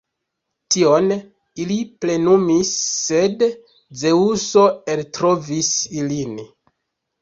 Tion ili plenumis, sed Zeŭso eltrovis ilin.